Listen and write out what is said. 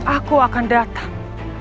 aku akan datang